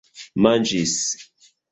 manĝis